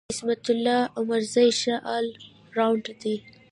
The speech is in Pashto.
عظمت الله عمرزی ښه ال راونډر دی.